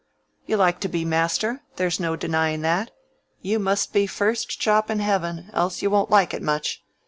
You like to be master, there's no denying that; you must be first chop in heaven, else you won't like it much.